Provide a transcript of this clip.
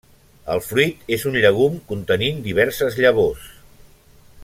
El fruit és un llegum contenint diverses llavors.